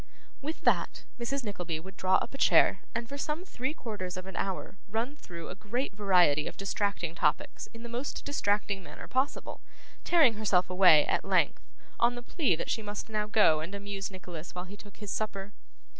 With that, Mrs. Nickleby would draw up a chair, and for some three quarters of an hour run through a great variety of distracting topics in the most distracting manner possible; tearing herself away, at length, on the plea that she must now go and amuse Nicholas while he took his supper.